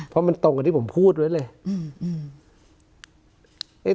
เพราะมันตรงกับที่ผมพูดไว้เลย